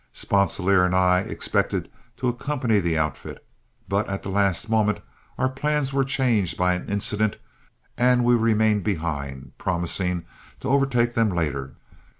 Sponsilier and I expected to accompany the outfit, but at the last moment our plans were changed by an incident and we remained behind, promising to overtake them later.